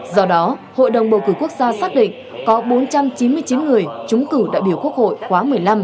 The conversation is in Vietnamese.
do đó hội đồng bầu cử quốc gia xác định có bốn trăm chín mươi chín người trúng cử đại biểu quốc hội khóa một mươi năm